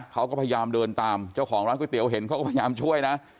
เขาก็พยายามเดินตามเจ้าของร้านก๋วยเตี๋ยวเห็นเขาก็พยายามช่วยนะ